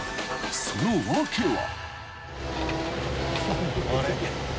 その訳は］